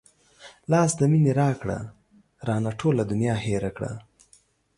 لاس د مينې راکړه رانه ټوله دنيا هېره کړه